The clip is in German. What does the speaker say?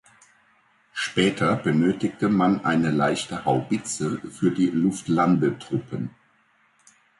Später benötigte man eine leichte Haubitze für die Luftlandetruppen.